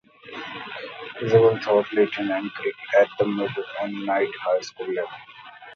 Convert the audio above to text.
Zabel taught Latin and Greek at the middle and high school levels.